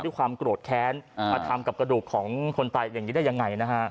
ด้วยความโกรธแค้นมาทำกับกระดูกของคนตายอย่างนี้ได้ยังไงนะฮะ